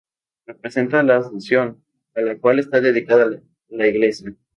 Representa la Asunción, a la cual está dedicada la iglesia.